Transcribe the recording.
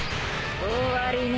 終わりね。